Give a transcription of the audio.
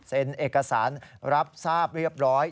เอกสารรับทราบเรียบร้อย